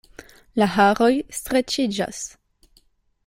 La haroj streĉiĝas.